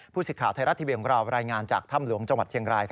สิทธิ์ไทยรัฐทีวีของเรารายงานจากถ้ำหลวงจังหวัดเชียงราย